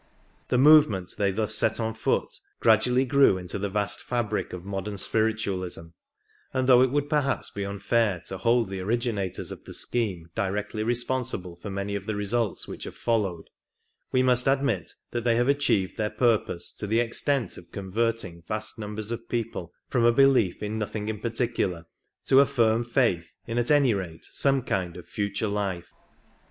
The i 79 movement they thus set on foot gradually grew into the vast fabric of modern spiritualism, and though it would per haps be unfair to hold the originators of the scheme directly responsible for many of the results which have followed, we must admit that they have achieved their purpose to the ex tent of converting vast numbers of people from a belief in nothing in particular to a firm faith in at any rate some kind of future life.